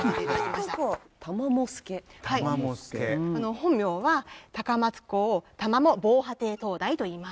本名は高松港玉藻防波堤灯台といいます。